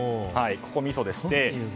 ここ、みそでして。